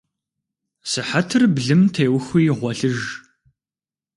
Сыхьэтыр блым теухуи гъуэлъыж.